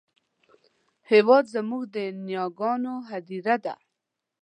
هېواد زموږ د نیاګانو هدیره ده